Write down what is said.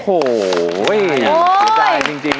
โอ้โห